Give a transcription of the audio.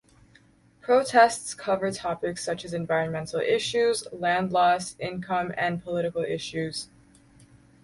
Protests cover topics such as environmental issues, land loss, income, and political issues.